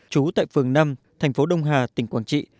trú tại phường năm thành phố đông hà tỉnh quảng trị